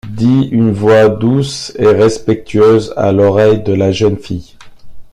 dit une voix douce et respectueuse à l’oreille de la jeune fille.